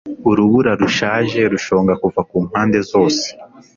urubura rushaje rushonga kuva kumpande zose